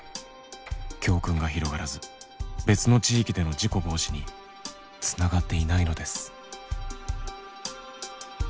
教訓が広がらず別の地域での事故防止につながっていないのです。